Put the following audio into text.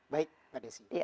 baik pak desi